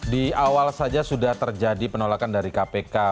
di awal saja sudah terjadi penolakan dari kpk